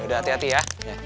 udah hati hati ya